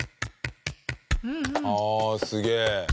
ああすげえ！